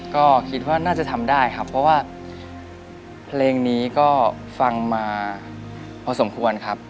ก็คิดว่าน่าจะทำได้ครับเพราะว่าเพลงนี้ก็ฟังมาพอสมควรครับ